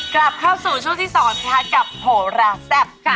กลับเข้าสู่ช่วงที่๒นะคะกับโหราแซ่บค่ะ